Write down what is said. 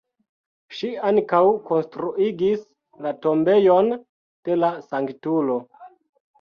Ŝi ankaŭ konstruigis la tombejon de la sanktulo.